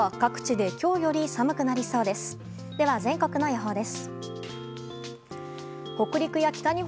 では全国の予報です。